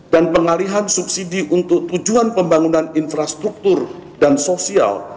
dan pengalihan subsidi untuk tujuan pembangunan infrastruktur dan sosial